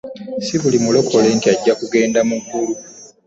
Si buli mulokole nti ajja kugenda mu ggulu.